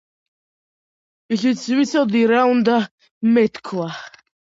ისიც ვიცოდი რა უნდა მეთქვა.